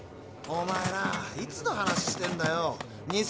おまえなぁいつの話してんだよ。